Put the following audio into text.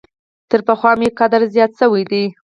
تر پخوا مي قدر زیات شوی دی .